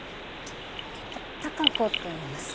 貴子といいます。